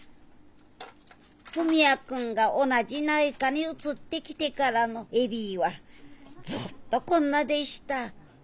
文也君が同じ内科に移ってきてからの恵里はずっとこんなでした。